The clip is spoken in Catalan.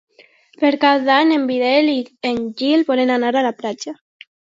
Per Cap d'Any en Biel i en Gil volen anar a la platja.